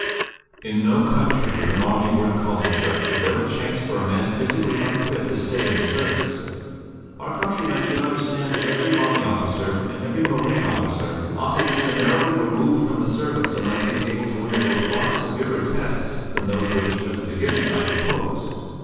In no country with an army worth calling such is there a chance for a man physically unfit to stay in the service. Our countrymen should understand that every army officer and every marine officer ought to be summarily removed from the service unless he is able to undergo far severer tests than those which, as a beginning, I imposed.